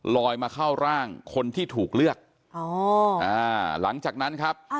ลอยมาเข้าร่างคนที่ถูกเลือกหลังจากนั้นครับ